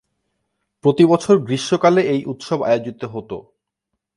প্রতি বছর গ্রীষ্মকালে এই উৎসব আয়োজিত হত।